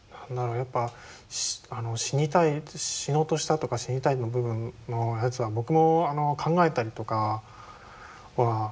やっぱ死にたい死のうとしたとか死にたいの部分のやつは僕も考えたりとかはあるんで。